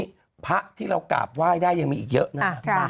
มานี่ภะที่เรากราบว่ายได้ยังมีอีกเยอะน่ะ